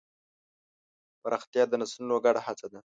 پراختیا د نسلونو ګډه هڅه ده.